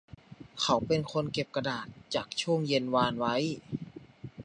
เขาเป็นคนเก็บกระดาษจากช่วงเย็นวานไว้